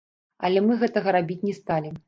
Але мы гэтага рабіць не сталі.